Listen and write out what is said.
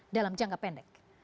dalam jangka pendek